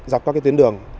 dọc các tiến đường